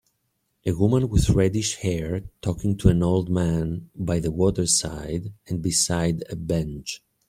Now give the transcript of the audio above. A woman with reddish hair talking to an old man by the waterside and beside a bench.